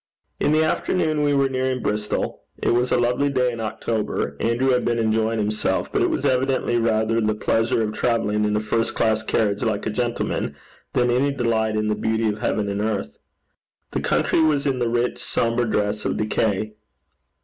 In the afternoon we were nearing Bristol. It was a lovely day in October. Andrew had been enjoying himself; but it was evidently rather the pleasure of travelling in a first class carriage like a gentleman than any delight in the beauty of heaven and earth. The country was in the rich sombre dress of decay.